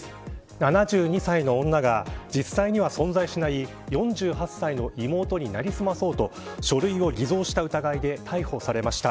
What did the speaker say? ７２歳の女が実際には存在しない４８歳の妹に成り済まそうと書類を偽造した疑いで逮捕されました。